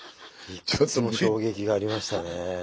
いくつも衝撃がありましたね。